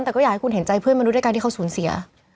แต่ก็อยากให้คุณเห็นใจเพื่อนมนุษย์ด้วยการที่เขาสูญเสีย